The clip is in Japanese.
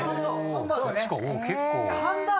結構。